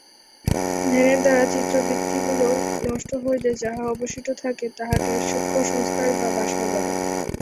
ধ্যানের দ্বারা চিত্তবৃত্তিগুলি নষ্ট হইলে যাহা অবশিষ্ট থাকে, তাহাকে সূক্ষ্মসংস্কার বা বাসনা বলে।